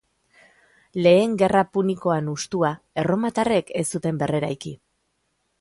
Lehen Gerra Punikoan hustua, erromatarrek ez zuten berreraiki.